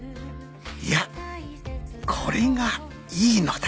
［いやこれがいいのだ］